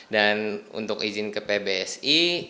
dan untuk izin ke pbsi